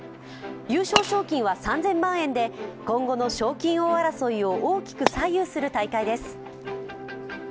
優勝賞金は３０００万円で今後の賞金王争いを大きく左右する大会です。